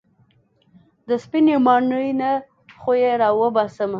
د سپينې ماڼۍ نه خو يې راوباسمه.